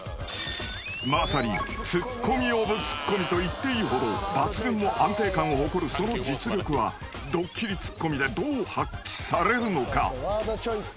［まさにツッコミオブツッコミと言っていいほど抜群の安定感を誇るその実力はドッキリツッコミでどう発揮されるのか］